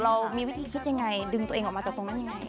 เรามีวิธีคิดยังไงดึงตัวเองออกมาจากตรงนั้นยังไง